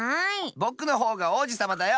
ぼくのほうがおうじさまだよ！